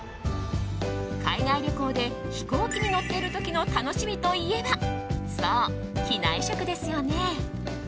海外旅行で飛行機に乗っている時の楽しみといえばそう、機内食ですよね。